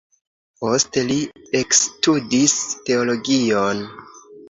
Poste li ekstudis teologion.